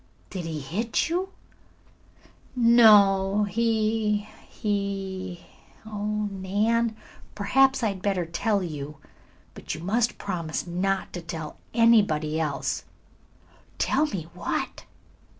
"Did he hit you?" "No, he he oh, Nan, perhaps I had better tell you. But you must promise not to tell anybody else." "Tell me what?"